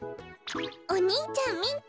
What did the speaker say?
お兄ちゃんみっけ！